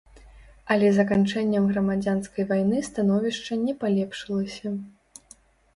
Але заканчэннем грамадзянскай вайны становішча не палепшылася.